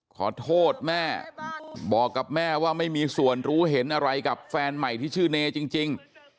ขอโทษแม่บอกกับแม่ว่าไม่มีส่วนรู้เห็นอะไรกับแฟนใหม่ที่ชื่อเนจริง